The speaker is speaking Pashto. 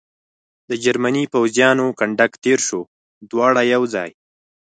د جرمني پوځیانو کنډک تېر شو، دواړه یو ځای.